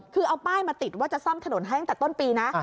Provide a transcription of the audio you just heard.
คือเอาป้ายมาติดว่าจะซ่อมถนนให้ตั้งแต่ต้นปีนะ